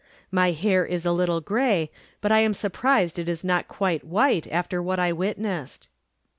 My hair is a little grey, but I am surprised it is not quite white after what I witnessed.